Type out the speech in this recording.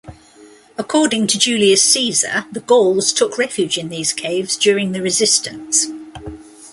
According to Julius Caesar the Gauls took refuge in these caves during the resistance.